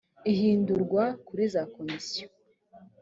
ihindurwa kuri za komisiyo